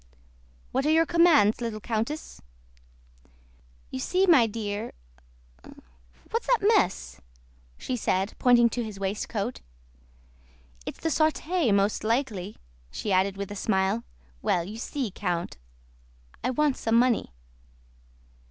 "What are your commands, little countess?" "You see, my dear... What's that mess?" she said, pointing to his waistcoat. "It's the sauté, most likely," she added with a smile. "Well, you see, Count, I want some money."